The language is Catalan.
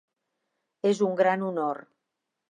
És un gran honor.